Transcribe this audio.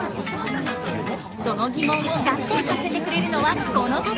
その疑問を合点させてくれるのはこの方！